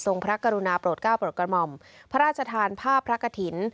พระกรุณาโปรดก้าวโปรดกระหม่อมพระราชทานภาพพระกฐิน